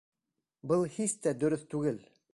Был һис тә дөрөҫ түгел!